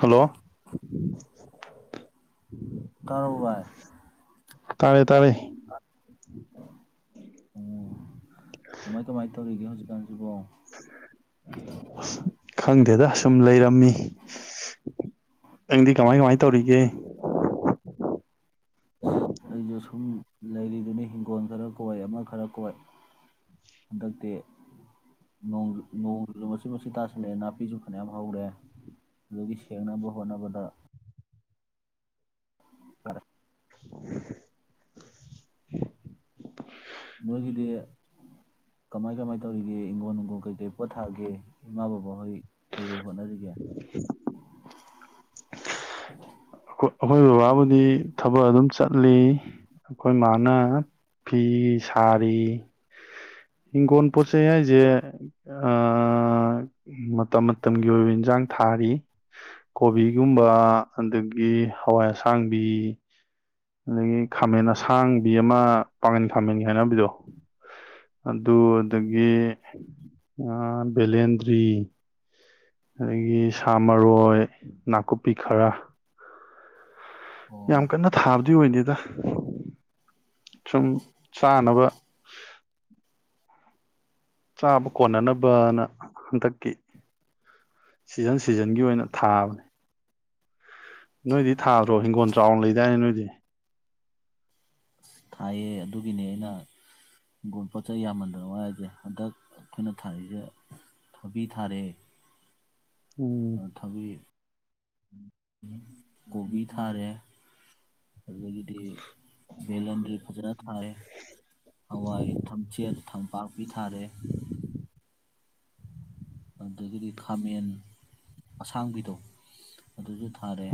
Hello ꯇꯥꯔꯕ ꯚꯥꯏ ꯎ ꯀꯃꯥꯏ ꯀꯃꯥꯏꯅ ꯇꯧꯔꯤꯒꯦ ꯍꯧꯖꯤꯛꯀꯥꯟꯁꯤꯕꯣ ꯑꯁ ꯈꯪꯗꯦꯗ ꯁꯨꯝ ꯂꯩꯔꯝꯃꯤ ꯅꯪꯗꯤ ꯀꯃꯥꯏ ꯀꯃꯥꯏ ꯇꯧꯔꯤꯒꯦ ꯂꯩꯔꯤꯗꯨꯅꯤ ꯍꯤꯡꯈꯣꯜ ꯈꯔ ꯀꯣꯏ ꯑꯃ ꯈꯔ ꯀꯣꯏ ꯍꯟꯗꯛꯇꯤ ꯅꯣꯡ ꯅꯣꯡꯖꯨ [unintelligible] ꯥꯇꯁꯤꯜꯂꯛꯑꯦ ꯅꯥꯄꯤꯁꯨ ꯐꯅꯌꯥꯝ ꯍꯧꯔꯦ ꯑꯗꯨꯒꯤ ꯁꯦꯡꯅꯕ ꯍꯣꯠꯅꯕꯗ ꯋꯥꯔꯦ [unintelligible] [inaudible] ꯅꯣꯏꯒꯤꯗꯤ ꯀꯃꯥꯏ ꯀꯃꯥꯏ ꯇꯧꯔꯤꯒꯦ ꯏꯪꯒꯣꯟ ꯅꯨꯡꯒꯣꯟ ꯀꯩꯀꯩ ꯄꯣꯠ ꯊꯥꯒꯦ ꯏꯃꯥ ꯕꯕꯥ ꯍꯣꯏ ꯀꯩ ꯀꯩ ꯍꯣꯠꯅꯔꯤꯒꯦ ꯑꯩꯈꯣꯏ ꯕꯕꯥꯕꯨꯗꯤ ꯊꯕꯛ ꯑꯗꯨꯝ ꯆꯠꯂꯤ ꯑꯩꯈꯣꯏ ꯃꯥꯅ ꯐꯤ ꯁꯥꯔꯤ ꯏꯪꯒꯣꯟ ꯄꯣꯠ ꯆꯩ ꯍꯥꯏꯖꯦ ꯑꯥ [unintelligible] ꯃꯇꯝ ꯃꯇꯝꯒꯤ ꯑꯣꯏꯕ ꯏꯟꯖꯥꯡ ꯊꯥꯔꯤ ꯀꯣꯕꯤꯒꯨꯝꯕ ꯑꯗꯒꯤ ꯍꯋꯥꯏ ꯑꯁꯥꯡꯕꯤ ꯑꯗꯒꯤ ꯈꯥꯃꯦꯟ ꯑꯁꯥꯡꯕꯤ ꯑꯃ ꯄꯥꯡꯒꯟ ꯈꯥꯃꯦꯟꯒ ꯍꯥꯏꯅꯕꯤꯗꯣ ꯑꯗꯨ ꯑꯗꯒꯤ ꯑꯥ ꯕꯦꯂꯦꯟꯗ꯭ꯔꯤ ꯑꯗꯒꯤ ꯁꯥ ꯃꯔꯣꯏ ꯅꯥꯀꯨꯞꯄꯤ ꯈꯔ ꯌꯥꯝ ꯀꯟꯅ ꯊꯥꯕꯗꯤ ꯑꯣꯏꯗꯦꯗ ꯁꯨꯝ ꯆꯥꯅꯕ ꯆꯥꯕ ꯀꯣꯟꯅꯅꯕꯅ ꯍꯟꯗꯛꯀꯤ ꯁꯤꯖꯟ ꯁꯤꯖꯟꯒꯤ ꯑꯣꯏꯅ ꯊꯥꯕꯅꯤ ꯅꯣꯏꯗꯤ ꯊꯥꯗ꯭ꯔꯣ ꯍꯤꯡꯒꯣꯜ ꯆꯥꯎꯅ ꯂꯩꯗꯥꯏꯅꯦ ꯅꯣꯏꯗꯤ ꯊꯥꯏ ꯑꯗꯨ ꯑꯗꯨꯒꯤꯅꯦ ꯑꯩꯅ ꯒꯣꯜ ꯄꯣꯠ ꯆꯩꯩ ꯌꯥꯝꯃꯟꯗꯅꯅꯨꯡꯉꯥꯏꯁꯦ ꯍꯟꯗꯛ ꯑꯩꯈꯣꯏꯅ ꯊꯥꯛꯏꯁꯦ ꯊꯕꯤ ꯊꯥꯔꯦ ꯊꯕꯤ ꯀꯣꯕꯤ ꯊꯥꯔꯦ ꯑꯗꯨꯗꯒꯤꯗꯤ ꯕꯦꯂꯟꯗ꯭ꯔꯤ ꯐꯖꯅ ꯊꯥꯔꯦ ꯍꯋꯥꯏ ꯊꯝꯆꯦꯠ ꯊꯝꯄꯥꯛꯄꯤ ꯊꯥꯔꯦ ꯑꯗꯒꯤꯗꯤ ꯈꯥꯃꯦꯟ ꯑꯁꯥꯡꯕꯤꯗꯣ ꯑꯗꯨꯁꯨ ꯊꯥꯔꯦ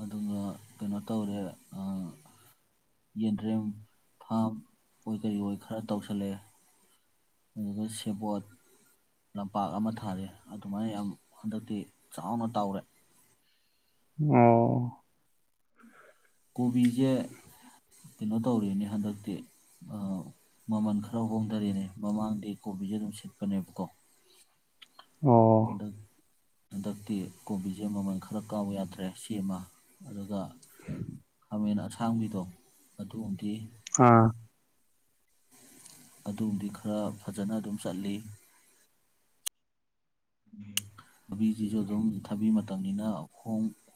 ꯑꯗꯨꯒ ꯀꯩꯅꯣ ꯇꯧꯔꯦ ꯌꯦꯟꯗ꯭ꯔꯦꯝ ꯐꯥꯝ ꯑꯣꯏ ꯀꯩ ꯑꯣꯏ ꯈꯔ ꯇꯧꯁꯜꯂꯑꯦ ꯑꯗꯨꯒ ꯁꯦꯕꯣꯠ ꯂꯝꯄꯥꯛ ꯑꯃ ꯊꯥꯔꯤꯦ ꯑꯗꯨꯃꯥꯏꯅ ꯌꯥꯝ ꯍꯟꯗꯛꯇꯤ ꯆꯥꯎꯅ ꯇꯥꯎꯔꯦ ꯑꯣ ꯀꯣꯕꯤꯁꯦ ꯀꯩꯅꯣ ꯇꯧꯔꯤꯅꯦ ꯍꯟꯗꯛꯇꯤ ꯃꯃꯜ ꯈꯔ ꯍꯣꯡꯊꯔꯦꯅꯦ ꯃꯃꯥꯡꯗꯤ ꯀꯣꯕꯤꯁꯦ ꯑꯗꯨꯝ ꯁꯤ ꯁꯤꯠꯄꯅꯦꯕꯀꯣ ꯍꯟꯗꯛ ꯍꯟꯗꯛꯇꯤ ꯀꯣꯕꯤꯁꯦ ꯃꯃꯜ ꯈꯔ ꯀꯥꯎꯕ ꯌꯥꯗ꯭ꯔꯦ ꯁꯤꯃ ꯑꯗꯨꯒ ꯑꯥ ꯑꯗꯨꯕꯨꯗꯤ ꯈꯔ ꯐꯖꯅ ꯑꯗꯨꯝ ꯁꯂꯤ ꯎꯝ ꯊꯕꯤꯁꯤꯁꯨ ꯑꯗꯨꯝ ꯊꯕꯤ ꯃꯇꯝꯅꯤꯅꯣꯡ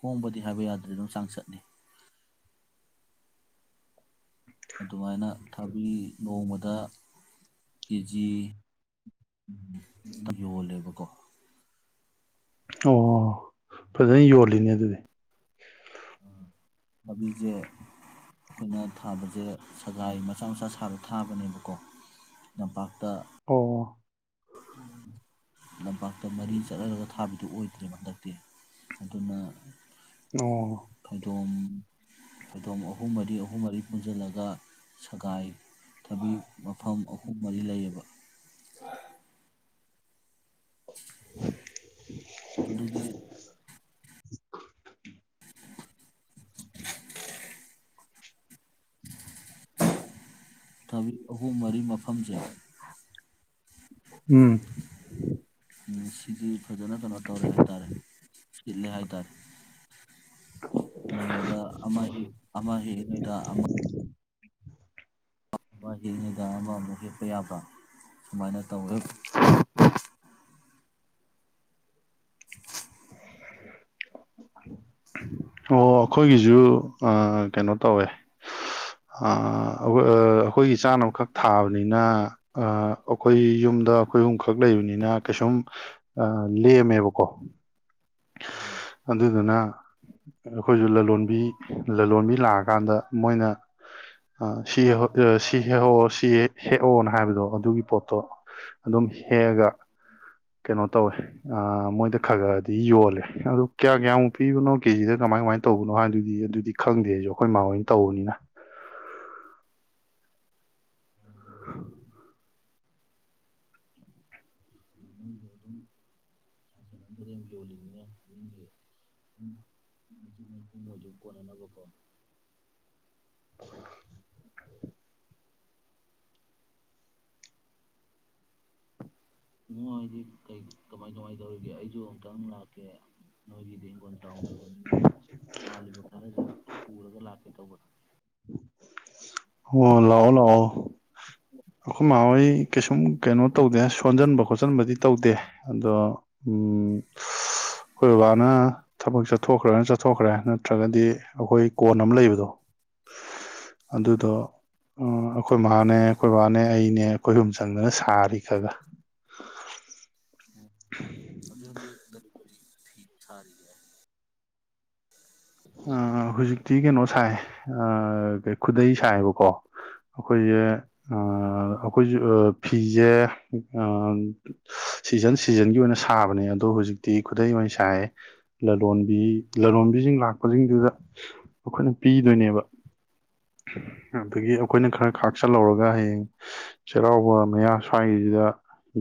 ꯍꯣꯡꯕꯗꯤ ꯍꯥꯏꯕ ꯌꯥꯗ꯭ꯔꯦ ꯑꯗꯨꯝ ꯆꯥꯡꯆꯠꯅꯤ ꯑꯗꯨꯃꯥꯏꯅ ꯊꯕꯤ ꯅꯣꯡꯃꯗ ꯀꯦꯖꯤ ꯌꯣꯜꯂꯦꯕꯀꯣ ꯑꯣ ꯐꯖꯅ ꯌꯣꯜꯂꯤꯅꯦ ꯑꯗꯨꯗꯤ ꯑꯕꯤꯖꯦ ꯑꯩꯈꯣꯏꯅ ꯊꯥꯕꯁꯦ ꯁꯒꯥꯏ ꯃꯆꯥ ꯃꯆꯥ ꯁꯥꯕ ꯊꯥꯕꯅꯦꯕꯀꯣ ꯂꯝꯝꯄꯥꯛꯇ ꯑꯣ ꯂꯝꯄꯥꯛꯇ ꯃꯔꯤ ꯆꯠꯂꯔꯒ ꯊꯥꯕꯤꯗꯨ ꯑꯣꯏꯗ꯭ꯔꯦ ꯍꯟꯗꯛꯇꯤ ꯑꯗꯨꯅ ꯐꯩꯗꯣꯝ ꯐꯩꯗꯣꯝ ꯑꯍꯨꯝ ꯃꯔꯤ ꯑꯍꯨꯝ ꯃꯔꯤ ꯄꯨꯟꯁꯤꯜꯂꯒ ꯁꯒꯥꯏꯊꯕꯤ ꯃꯐꯝ ꯑꯍꯨꯝ ꯃꯔꯤ ꯂꯩꯌꯦꯕ ꯒ ꯑꯗꯨꯒꯤ ꯗ ꯊꯕꯛ ꯑꯍꯨꯝ ꯃꯔꯤ ꯃꯐꯝꯁꯦ ꯎꯝ ꯎꯝ ꯁꯤꯁ ꯐꯖꯅ ꯀꯩꯅꯣ ꯇꯧꯔꯦ ꯍꯥꯏ ꯇꯔꯦ ꯁꯤꯠꯂꯦ ꯍꯥꯏ ꯇꯔꯦ ꯅꯣꯡꯃꯗ ꯑꯃ ꯍꯦꯛ ꯑꯃ ꯍꯦꯛꯏꯉꯩꯗ ꯑꯃ ꯍꯅꯤ ꯑꯃ ꯃꯨꯍꯤ ꯑꯌꯥꯕ ꯁꯨꯃꯥꯏꯅ ꯇꯧꯋꯦ ꯑꯣ ꯑꯩꯈꯣꯏꯒꯤꯁꯨ ꯀꯩꯅꯣ ꯇꯧꯋꯦ ꯑꯩꯈꯣꯏꯒꯤ ꯆꯥꯅꯕꯈꯛ ꯊꯥꯕꯅꯤꯅ ꯑꯩꯈꯣꯏ ꯌꯨꯝꯗ ꯑꯩꯈꯣꯏ ꯑꯍꯨꯝꯈꯛ ꯂꯩꯕꯅꯤꯅ ꯀꯩꯁꯨꯝ ꯂꯦꯝꯃꯦꯕꯀꯣ ꯑꯗꯨꯗꯨꯅ ꯑꯩꯈꯣꯏꯁꯨ ꯂꯂꯣꯟꯕꯤ ꯂꯂꯣꯟꯕꯤ ꯂꯥꯛꯑꯀꯥꯟꯗ ꯃꯣꯏꯅ ꯁꯤ ꯁꯤ ꯍꯦꯛꯑꯣ ꯁꯤ ꯍꯦꯛꯑꯣꯅ ꯍꯥꯏꯕꯗꯣ ꯑꯗꯨꯒꯤ ꯄꯣꯠꯇꯣ ꯑꯗꯨꯝ ꯍꯦꯛꯑꯒ ꯀꯩꯅꯣ ꯇꯧꯋꯦ ꯃꯣꯏꯗ ꯈꯔꯒꯥ ꯑꯗꯨꯗꯤ ꯌꯣꯜꯂꯦ ꯑꯗꯣ ꯀꯌꯥ ꯀꯌꯥꯃꯨꯛ ꯄꯤꯕꯅꯣ ꯀꯦꯖꯤꯗ ꯀꯃꯥꯏ ꯀꯃꯥꯏꯅ ꯇꯧꯕꯅꯣ ꯍꯥꯏꯗꯨꯗꯤ ꯑꯗꯨꯗꯤ ꯈꯪꯗꯦ ꯑꯩꯁꯨ ꯑꯩꯈꯣꯏ ꯏꯃꯥ ꯍꯣꯏꯅ ꯇꯧꯕꯅꯤꯅ ꯗ ꯗꯤꯒꯤꯣꯜꯂꯤ ꯎꯝ ꯍꯧꯖꯤ ꯀꯅꯦ ꯅꯕꯀꯣ ꯁꯥ ꯏ ꯍꯥꯏꯗꯤ ꯀꯩ ꯀꯃꯥꯏ ꯀꯃꯥꯏ ꯇꯧꯔꯤꯒꯦ ꯑꯩꯁꯨ ꯑꯃꯨꯛꯇꯪ ꯂꯥꯛꯀꯦ ꯅꯣꯏꯒꯤꯗꯤ ꯍꯪꯈꯣꯜ ꯆꯥꯎꯗꯕꯅꯤꯅ ꯄꯥꯜꯂꯤꯕ ꯈꯔ ꯄꯨꯔꯒ ꯂꯥꯛꯀꯦ ꯇꯧꯕꯗ ꯑꯣ ꯂꯥꯛꯑꯣ ꯂꯥꯡꯑꯣ ꯑꯩꯈꯣꯏ ꯃꯥ ꯍꯣꯏ ꯀꯩꯁꯨꯝ ꯀꯩꯅꯣ ꯇꯧꯗꯦ ꯁꯣꯟꯖꯟꯕ ꯈꯣꯠꯆꯟꯕꯗꯤ ꯇꯧꯗꯦ ꯑꯗꯣ ꯎꯃ ꯑꯩꯈꯣꯏ ꯕꯕꯥꯅ ꯊꯕꯛ ꯆꯠ ꯆꯠꯊꯣꯛꯈ꯭ꯔꯅ ꯆꯠꯊꯣꯛꯈ꯭ꯔꯦ ꯅꯠꯇ꯭ꯔꯒꯗꯤ ꯑꯩꯈꯣꯏ ꯀꯣꯟ ꯑꯃ ꯂꯩꯕꯗꯣ ꯑꯗꯨꯗꯣ ꯑꯩꯈꯣꯏ ꯃꯥ ꯅꯤ ꯑꯩꯈꯣꯏ ꯕꯥꯅꯦ ꯑꯩꯅꯦ ꯈꯣꯏ ꯑꯍꯨꯝ ꯆꯪꯗꯅ ꯁꯥꯔꯤ ꯈꯒ ꯍꯧꯖꯤ ꯍꯧꯖꯤ ꯀꯔꯤ ꯊ ꯊꯥꯔꯔꯤ ꯑ ꯍꯧꯖꯤꯛ ꯊꯤ ꯀꯩꯅ ꯁꯥꯏ ꯈꯨꯗꯩ ꯁꯥꯏꯕꯀꯣ ꯑꯩꯈꯣꯏꯁꯦ ꯑ ꯑꯩꯈꯣꯏꯁꯨ ꯐꯤꯁꯦ ꯁꯤꯖꯟ ꯁꯤꯖꯟꯒꯤ ꯑꯣꯏꯅ ꯁꯥꯕꯅꯦ ꯑꯗꯣ ꯍꯧꯖꯤꯛꯇꯤ ꯈꯨꯗꯩ ꯑꯣꯏꯅ ꯁꯥꯏ ꯂꯂꯣꯟꯕꯤ ꯂꯂꯣꯟꯕꯤꯁꯤꯡ ꯂꯥꯛꯄ ꯖꯤꯡꯗꯨꯗ ꯑꯩꯈꯣꯏꯅ ꯄꯤꯗꯣꯏꯅꯦꯕ ꯑꯗꯨꯗꯒꯤ ꯑꯩꯈꯣꯏꯅ ꯈꯔ ꯈꯥꯛꯆꯜꯍꯧꯔꯒ ꯍꯌꯦꯡ ꯆꯩꯔꯥꯎꯕ ꯃꯌꯥ ꯁ꯭ꯋꯥꯏꯁꯤꯗ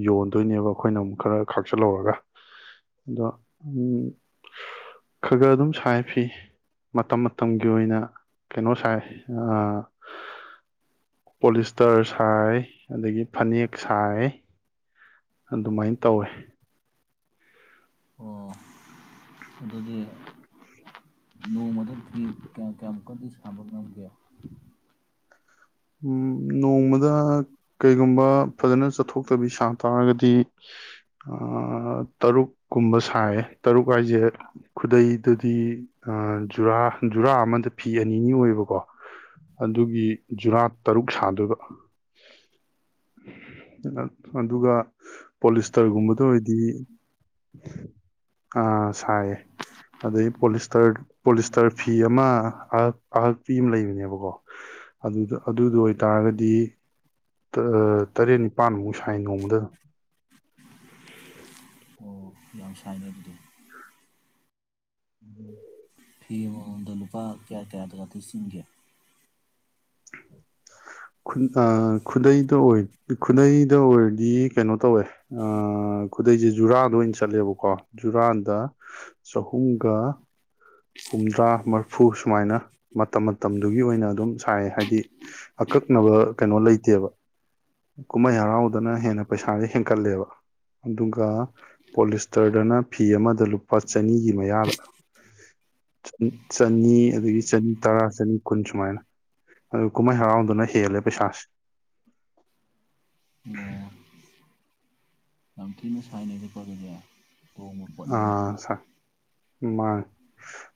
ꯌꯣꯟꯗꯣꯏꯅꯦꯕ ꯑꯩꯈꯣꯏꯅ ꯑꯃꯨꯛ ꯈꯔ ꯈꯥꯛꯆꯜꯍꯧꯔꯒ ꯑꯗꯣ ꯎ ꯈꯔ ꯈꯔ ꯑꯗꯨꯝ ꯁꯥꯏ ꯐꯤ ꯃꯇꯝ ꯃꯇꯝꯒꯤ ꯑꯣꯏꯅ ꯀꯩꯅꯣ ꯁꯥꯏ ꯄꯣꯂꯤꯁꯇꯔ ꯁꯥꯏ ꯑꯗꯨꯒꯥ ꯐꯅꯦꯛ ꯁꯥꯏ ꯑꯗꯨꯃꯥꯏꯅ ꯇꯧꯋꯦ ꯑꯣ ꯑꯗꯨꯗꯤ ꯅꯣꯡ ꯃ ꯐꯔ ꯀꯌꯥ ꯀꯌꯥꯃ ꯀꯗꯤ ꯊꯥꯃꯛ ꯉꯝꯒ [inaudible] ꯎꯝ ꯅꯣꯡꯃꯗ ꯀꯩꯒꯨꯝꯕ ꯐꯖꯅ ꯆꯠꯊꯣꯛꯇꯕꯤ ꯁꯥ ꯇꯥꯔꯒꯗꯤ ꯇꯔꯨꯛꯀꯨꯝꯕ ꯁꯥꯏ ꯇꯔꯨꯛ ꯍꯥꯏꯁꯦ ꯈꯨꯗꯩꯗꯗꯤ ꯖꯨꯔꯥ ꯖꯨꯔꯥ ꯑꯃꯗ ꯐꯤ ꯑꯅꯤꯅꯤ ꯑꯣꯏꯌꯦꯕꯀꯣ ꯑꯗꯨꯒꯤ ꯖꯨꯔꯥ ꯇꯔꯨꯛ ꯁꯥꯗꯣꯏꯕ ꯑꯗꯨꯒ ꯄꯣꯂꯤꯁꯇꯔꯒꯨꯝꯕꯗ ꯑꯣꯏꯔꯗꯤ ꯁꯥꯏꯌꯦ ꯑꯗꯩ ꯄꯣꯂꯤꯁꯇꯔ ꯄꯣꯂꯤꯁꯇꯔ ꯐꯤ ꯑꯃ ꯑꯍꯛꯄꯤ ꯑꯃ ꯂꯩꯕꯅꯦꯕꯀꯣ ꯑꯗꯨꯗ ꯑꯗꯨꯗ ꯑꯣꯏꯇꯥꯔꯒꯗꯤ ꯇꯥ ꯇꯔꯦꯠ ꯅꯤꯄꯥꯜꯃꯨꯛ ꯁꯥꯏ ꯅꯣꯡꯃꯗ ꯌꯥꯝ ꯁꯥꯏꯅꯩ ꯑꯗꯨꯗꯤ ꯫ [inaudible] ꯐꯤ ꯑꯃ ꯃꯃꯗꯥ ꯂꯨꯄꯥ ꯀꯌꯥ - ꯀꯌꯥ ꯊꯥ [unintelligible] ꯟ ꯑ ꯈꯨꯗꯩꯗ ꯈꯨꯗꯩꯗ ꯑꯣꯏꯔꯗꯤ ꯀꯩꯅꯣ ꯇꯧꯋꯦ ꯈꯨꯗꯩꯁꯦ ꯖꯨꯔꯥꯗ ꯑꯣꯏꯅ ꯆꯠꯂꯦꯕꯀꯣ ꯖꯨꯔꯥꯗ ꯆꯍꯨꯝꯒ ꯍꯨꯝꯗ꯭ꯔꯥ ꯃꯔꯐꯨ ꯁꯨꯃꯥꯏꯅ ꯃꯇꯝ ꯃꯇꯝꯗꯨꯒꯤ ꯑꯣꯏꯅ ꯑꯗꯨꯝ ꯁꯥꯏ ꯍꯥꯏꯗꯤ ꯑꯀꯛꯅꯕ ꯀꯩꯅꯣ ꯂꯩꯇꯦꯕ ꯀꯨꯝꯍꯩ ꯍꯔꯥꯎꯗꯅ ꯍꯦꯟꯅ ꯄꯩꯁꯥꯁꯦ ꯍꯦꯟꯀꯠꯂꯦꯕ ꯑꯗꯨꯒ ꯄꯣꯂꯤꯁꯇꯔꯗꯅ ꯐꯤ ꯑꯃꯗ ꯂꯨꯄꯥ ꯆꯅꯤꯒꯤ ꯃꯌꯥꯗ ꯆꯅꯤ ꯑꯗꯨꯗꯒꯤ ꯆꯅꯤ ꯇꯔꯥ ꯆꯅꯤ ꯀꯨꯟ ꯁꯨꯃꯥꯏꯅ ꯑꯗꯨ ꯀꯨꯝꯍꯩ ꯍꯔꯥꯎꯗꯨꯅ ꯍꯦꯜꯂꯦ ꯄꯩꯁꯥꯁꯦ ꯌꯥꯝ ꯊꯤꯅ ꯁꯥꯏꯅꯩꯁꯀꯣ ꯑꯗꯨꯗꯤ ꯇꯣꯡꯕ ꯄꯣꯠꯅꯤꯅꯦ꯫ ꯃꯥꯅꯤ꯫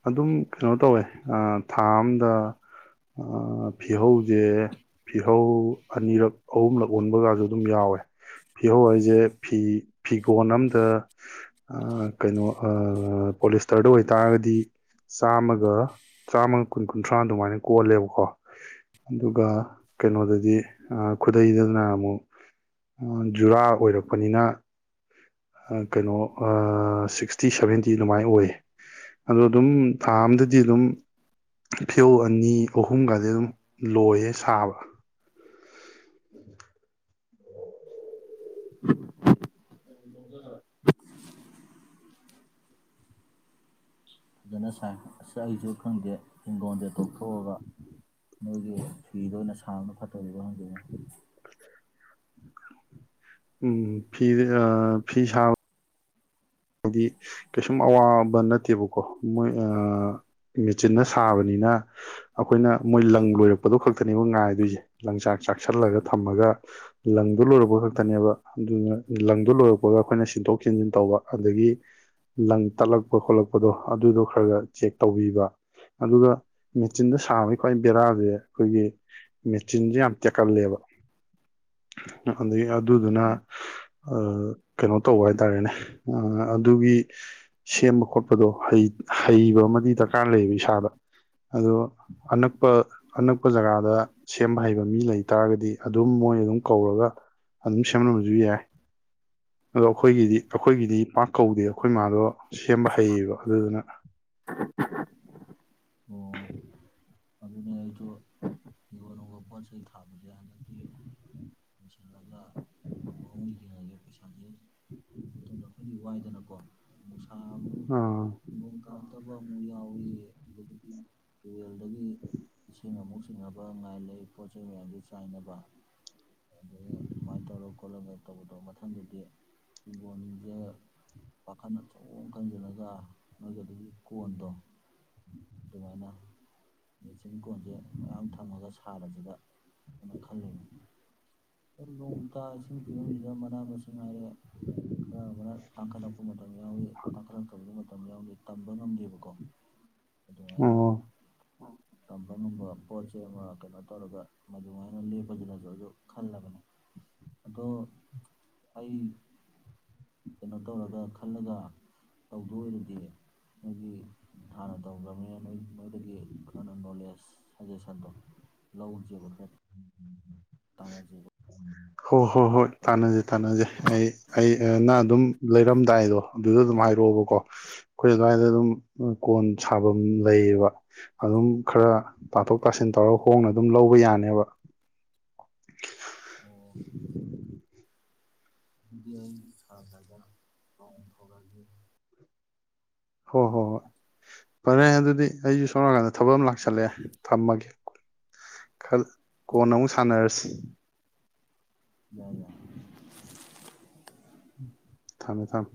ꯑꯗꯨꯝ ꯀꯩꯅꯣ ꯇꯧꯋꯦ ꯑꯥ ꯊꯥ ꯑꯝꯗ ꯐꯤꯍꯧꯁꯦ ꯐꯤꯍꯧ ꯑꯅꯤꯔꯛ ꯑꯍꯨꯝꯂꯛ ꯑꯣꯟꯕꯒꯁꯨ ꯑꯗꯨꯝ ꯌꯥꯎꯋꯦ ꯐꯤꯍꯧ ꯍꯥꯏꯁꯦ ꯐꯤ ꯐꯤꯒꯣꯟ ꯑꯝꯗ ꯀꯩꯅꯣ ꯄꯣꯂꯤꯁꯇꯔꯗ ꯑꯣꯏꯇꯥꯔꯒꯗꯤ ꯆꯥꯝꯃꯒ ꯆꯥꯝꯃꯒ ꯀꯨꯟ ꯀꯨꯟꯊ꯭ꯔꯥ ꯑꯗꯨꯃꯥꯏꯅ ꯀꯣꯜꯂꯦꯕꯀꯣ ꯑꯗꯨꯒ ꯀꯩꯅꯣꯗꯗꯤ ꯈꯨꯗꯩꯗꯗꯅ ꯑꯃꯨꯛ ꯖꯨꯔꯥ ꯑꯣꯏꯔꯛ ꯄꯅꯤꯅ ꯀꯩꯅꯣ ꯁꯤꯛꯁꯇꯤ ꯁꯚꯦꯟꯇꯤ ꯑꯗꯨꯃꯥꯏꯅ ꯑꯣꯏꯌꯦ ꯑꯗꯣ ꯑꯗꯨꯝ ꯊꯥ ꯑꯝꯗꯗꯤ ꯑꯗꯨꯝ ꯐꯤꯍꯧ ꯑꯅꯤ ꯑꯍꯨꯝꯒꯗꯤ ꯑꯗꯨꯝ ꯂꯣꯏꯌꯦ ꯁꯥꯕ꯫ [inaudible] ꯐꯖꯅ ꯁꯥꯏ ꯑꯁ ꯑꯩꯁꯨ ꯈꯪꯗꯦ ꯍꯤꯡꯒꯣꯜꯁꯦ ꯇꯣꯛꯊꯣꯛꯑꯒ ꯅꯣꯏꯒꯤ ꯐꯤꯗ ꯑꯣꯏꯅ ꯁꯥ ꯁꯥꯕꯅ ꯐꯥꯗꯧꯔꯤꯕꯔꯥ ꯈꯪꯗꯦ꯫ [inaudible] ꯎꯝ ꯐꯤ ꯑ ꯐꯤ ꯁꯥ ꯍꯥꯏꯗꯤ ꯀꯩꯁꯨꯝ ꯑꯋꯥꯕ ꯅꯠꯇꯦꯕꯀꯣ ꯃꯣꯏ ꯃꯦꯆꯤꯟꯅ ꯁꯥꯕꯅꯤꯅ ꯑꯩꯈꯣꯏꯅ ꯃꯣꯏ ꯂꯪ ꯂꯣꯏꯔꯛꯄꯗꯣ ꯈꯛꯇꯅꯦꯕ ꯉꯥꯏꯗꯣꯏꯁꯦ꯫ ꯂꯪꯆꯥꯛ ꯆꯥꯛꯁꯤꯜꯂꯒ ꯊꯝꯃꯒ ꯂꯪ ꯂꯣꯏꯔꯛꯄ ꯈꯛꯇꯅꯦꯕ ꯑꯗꯨꯅ ꯂꯪꯗꯨ ꯂꯣꯏꯔꯛꯄꯒ ꯑꯩꯈꯣꯏꯅ ꯁꯤꯟꯗꯣꯛ- ꯁꯤꯟꯖꯤꯟ ꯇꯧꯕ ꯑꯗꯒꯤ ꯂꯪ ꯇꯠꯂꯛꯄ ꯈꯣꯠꯂꯛꯄꯗꯣ ꯑꯗꯨꯗꯣ ꯈꯔ - ꯈꯔ ꯆꯦꯛ ꯇꯧꯕꯤꯕ ꯑꯗꯨꯒ ꯃꯦꯆꯤꯟꯗ ꯁꯥꯕꯒꯤ ꯈ꯭ꯋꯥꯏ ꯕꯦꯔꯥꯁꯦ ꯑꯩꯈꯣꯏꯒꯤ ꯃꯦꯆꯤꯟꯁꯦ ꯌꯥꯝ ꯇꯦꯛꯀꯜꯂꯦꯕ꯫ [inaudible] ꯑꯗꯒꯤ ꯑꯗꯨꯗꯨꯅ ꯑ ꯀꯩꯅꯣ ꯇꯧꯕ ꯍꯥꯏꯇꯥꯔꯦꯅꯦ ꯑꯗꯨꯒꯤ ꯁꯦꯝꯕ ꯈꯣꯠꯄꯗꯣ ꯍꯩꯕ ꯑꯃꯗꯤ ꯗꯔꯀꯥꯔ ꯂꯩꯌꯦꯕ ꯏꯁꯥꯗ ꯑꯗꯣ ꯑꯅꯛꯄ ꯑꯅꯛꯄ ꯖꯒꯥꯗ ꯁꯦꯝꯕ ꯍꯩꯕ ꯃꯤ ꯂꯩ ꯍꯩꯇꯥꯥꯔꯒꯗꯤ ꯑꯗꯨꯝ ꯃꯣꯏ ꯑꯗꯨꯝ ꯀꯧꯔꯒ ꯑꯗꯨꯝ ꯁꯦꯝꯅꯕꯁꯨ ꯌꯥꯏ꯫ ꯑꯗꯣ ꯑꯩꯈꯣꯏꯒꯤꯗꯤ ꯑꯩꯈꯣꯏꯒꯤꯗꯤ ꯄꯥꯛ ꯀꯧꯗꯦ ꯑꯩꯈꯣꯏ ꯃꯥꯗꯣ ꯁꯦꯝꯕ ꯍꯩꯌꯦꯕ ꯑꯗꯨꯗꯨꯅ [inaudible] ꯎꯝ ꯄꯣꯠ ꯆꯩ ꯊꯥꯕꯁꯦ ꯍꯟꯗꯛꯇꯤ ꯂꯨꯁꯜꯂꯒ ꯃꯑꯣꯡ ꯌꯦꯡꯉꯒꯦ ꯄꯩꯁꯥꯁꯦ ꯃꯇꯝ ꯈꯇꯪꯗ ꯋꯥꯏꯗꯅꯀꯣ꯫ ꯊꯥ ꯑꯃꯨꯛ ꯅꯣꯡ ꯇꯥꯛꯇꯕ ꯑꯃꯨꯛ ꯌꯥꯎꯏ ꯑꯗꯨ ꯇꯨꯔꯦꯜꯗꯒꯤ ꯏꯁꯤꯡ ꯑꯃꯨꯛ ꯆꯤꯡꯅꯕ ꯉꯥꯏ ꯂꯩ꯫ ꯄꯣꯠ ꯆꯩꯩ ꯃꯌꯥꯝꯁꯦ ꯆꯥꯏꯅꯕ ꯑꯗꯒꯤ ꯁꯨꯃꯥꯏꯅ ꯇꯧꯔ ꯈꯣꯠꯂꯒ ꯇꯧꯕꯗꯣ ꯃꯊꯪꯗꯗꯤ ꯍꯤꯡꯒꯣꯝ ꯁꯤꯡꯁꯦ ꯄꯥꯈꯟ ꯑꯆꯥꯎꯕ ꯑꯃ ꯀꯟꯁꯤꯜꯂꯒ ꯅꯣꯏꯒꯤ ꯑꯗꯨꯒꯤ ꯀꯣꯟꯗꯣ ꯑꯗꯨꯃꯥꯏꯅ ꯃꯦꯆꯤꯟ ꯀꯣꯟꯁꯦ ꯃꯌꯥꯝ ꯊꯝꯃꯒ ꯁꯥꯔꯁꯦ ꯗ ꯑꯩꯅ ꯈꯜꯂꯤ ꯅꯣꯡꯇꯥ ꯏꯁꯤꯡ ꯐꯤꯕꯝꯁꯤꯗ ꯃꯅꯥ ꯃꯁꯤꯡ ꯍꯥꯏꯔꯦ ꯈꯔ ꯃꯅ ꯇꯥꯡꯈꯠꯂꯛꯄ ꯃꯇꯝ ꯌꯥꯎꯏ ꯇꯥꯡꯈꯠꯂꯛꯇꯕꯗ ꯃꯇꯝ ꯌꯥꯎꯏ ꯇꯝꯕ ꯉꯝꯗꯕ ꯀꯣ ꯑꯗꯨꯃꯥꯏꯅ ꯀꯝꯕ ꯉꯝꯕ ꯄꯣ ꯆꯦ ꯑꯃ꯫ ꯇꯧꯔꯒ ꯃꯗꯨꯃꯥꯏꯅ ꯂꯦꯞꯄꯁꯤꯔꯁꯨ ꯑꯗꯨ ꯈꯜꯂꯕꯅꯤ ꯑꯗꯣ ꯑꯩ ꯀꯩꯅꯣ ꯇꯧꯔꯒ ꯈꯜꯂꯒ ꯇꯧꯗꯣꯏ ꯑꯣꯏꯔꯗꯤ ꯅꯣꯏꯒꯤ ꯍꯥꯟꯅ ꯇꯧꯈ꯭ꯔꯕꯅꯤꯅ ꯅꯣꯏ ꯅꯣꯏꯗꯒꯤ ꯈꯔ ꯅꯣꯂꯦꯖ ꯁꯖꯦꯁꯟꯗꯣ ꯂꯧꯁꯦꯕ ꯐꯦꯟ ꯇꯅꯁꯦꯕ ꯍꯣꯏ ꯍꯣꯏ ꯍꯣꯏ ꯇꯥꯟꯅꯖꯦ ꯇꯥꯟꯅꯖꯩ ꯑꯩ ꯑꯩ ꯅ ꯑꯗꯨꯝ ꯂꯩꯔꯝꯗꯥꯏꯗꯣ ꯑꯗꯨꯗ ꯑꯗꯨꯝ ꯍꯥꯏꯔꯛꯑꯣꯕꯀꯣ ꯑꯩꯈꯣꯏ ꯑꯗꯨꯋꯥꯏꯗ ꯑꯗꯨꯝ ꯀꯣꯟ ꯁꯥꯐꯝ ꯂꯩꯌꯦꯕ ꯑꯗꯨꯝ ꯈꯔ ꯇꯥꯊꯣꯛ ꯇꯥꯁꯤꯟ ꯇꯧꯔꯒ ꯍꯣꯡꯅ ꯑꯗꯨꯝ ꯂꯧꯕ ꯌꯥꯅꯦꯕ ꯑꯗꯨꯗꯤ ꯑꯩ [unintelligible] ꯍꯣꯏ ꯍꯣꯏ ꯍꯣꯏ ꯐꯔꯦ ꯑꯗꯨꯗꯤ ꯑꯩꯁꯨ ꯁꯣꯝ ꯅꯥꯀꯥꯟꯗ ꯊꯕꯛ ꯑꯃ ꯂꯥꯛꯁꯤꯜꯂꯦ ꯊꯝꯃꯒꯦ꯫ ꯀꯣꯟꯅꯥ ꯑꯃꯨꯛ ꯁꯥꯟꯅꯔꯁꯤ꯫ ꯌꯥꯏ ꯌꯥꯏ ꯊꯝꯃꯦ ꯊꯝꯃꯦ